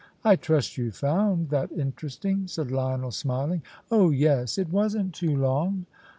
"I trust you found that interesting," said Lionel, smiling. "Oh yes it wasn't too long."